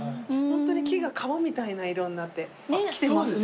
木が革みたいな色になってきてますね。